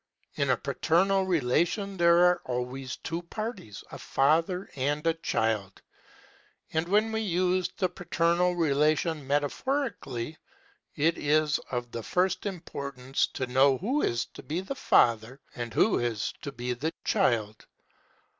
In a paternal relation there are always two parties, a father and a child; and when we use the paternal relation metaphorically, it is of the first importance to know who is to be father and who is to be child.